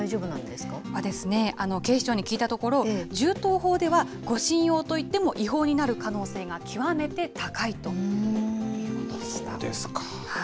警視庁に聞いたところ、銃刀法では、護身用といっても違法になる可能性が極めて高いというこそうですか。